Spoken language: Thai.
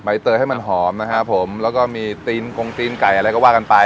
เตยให้มันหอมนะครับผมแล้วก็มีตีนกงตีนไก่อะไรก็ว่ากันไป